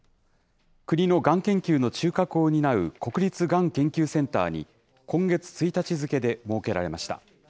国のがん研究の中核を担う国立がん研究センターに今月１日付で設けられました。